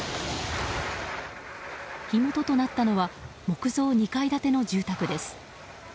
火元となったのは木造２階建ての住宅です。